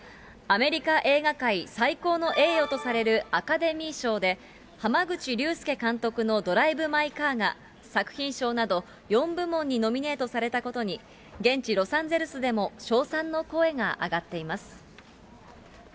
アメリカ映画界最高の栄誉とされるアカデミー賞で、濱口竜介監督のドライブ・マイ・カーが作品賞など、４部門にノミネートされたことに、現地ロサンゼルスでも称賛の声が上がっています。